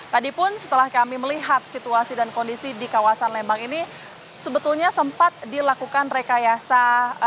tadi pun setelah kami melihat situasi dan kondisi di kawasan lembang ini sebetulnya sempat dilakukan rekayasa